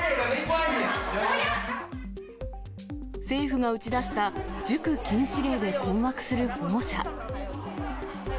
政府が打ち出した塾禁止令で困惑する保護者。